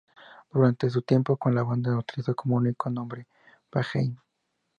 Durante su tiempo con la banda utilizó como único nombre Manheim.